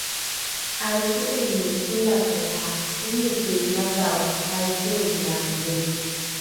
’aaico’ono solate ’a omiki madhao ’aico’onaeli